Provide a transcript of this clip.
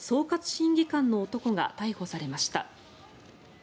審議官の男が逮捕されました。